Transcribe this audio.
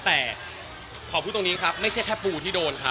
แต่ขอพูดตรงนี้ครับไม่ใช่แค่ปูที่โดนครับ